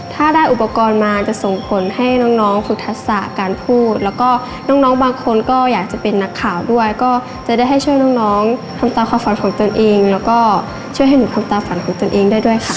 ถ้าได้อุปกรณ์มาจะส่งผลให้น้องฝึกทักษะการพูดแล้วก็น้องบางคนก็อยากจะเป็นนักข่าวด้วยก็จะได้ให้ช่วยน้องทำตามความฝันของตนเองแล้วก็ช่วยให้หนูทำตาฝันของตนเองได้ด้วยค่ะ